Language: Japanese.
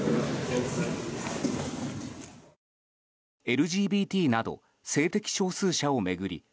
ＬＧＢＴなど性的少数者を巡り